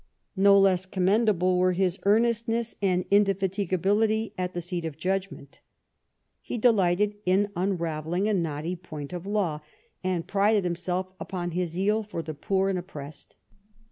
No less commendable were his earnestness and indefatigability at the seat of judgment. He delighted in unravelling a knotty point of law, and prided himself upon his zeal for the poor and oppressed.